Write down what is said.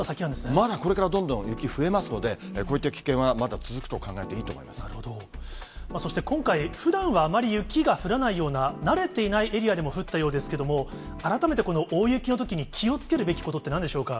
まだこれからどんどん雪増えますので、こういった危険はまだそして今回、ふだんはあまり雪が降らないような、慣れていないエリアでも降ったようですけれども、改めてこの大雪のときに気をつけるべきことってなんでしょうか。